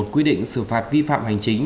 quy định xử phạt vi phạm hành chính